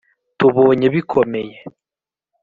Tubonye bikomeye